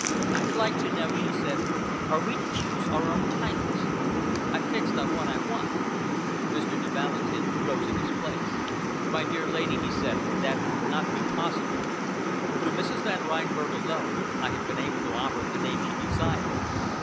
"I'd like to know," she said, "are we to choose our own titles? I've fixed on one I want." Mr. de Valentin rose in his place. "My dear lady," he said, "that would not be possible. To Mrs. Van Reinberg alone I have been able to offer the name she desired.